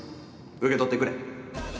受け取ってくれ！